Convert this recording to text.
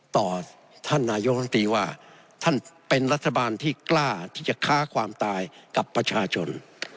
ต่อท่านนายกรรมตรีว่าท่านเป็นรัฐบาลที่กล้าที่จะฆ่าความตายกับประชาชน